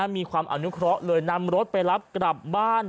มีความอนุเคราะห์เลยนำรถไปรับกลับบ้าน